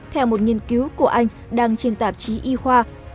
theo một nghiên cứu của anh đăng trên tạp chí y khoa